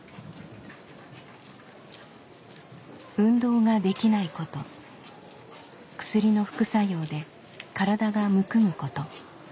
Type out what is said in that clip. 運動ができないこと薬の副作用で体がむくむこと。